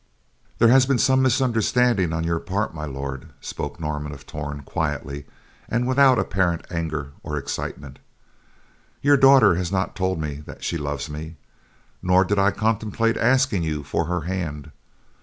"There has been some misunderstanding on your part, My Lord," spoke Norman of Torn, quietly and without apparent anger or excitement. "Your daughter has not told me that she loves me, nor did I contemplate asking you for her hand.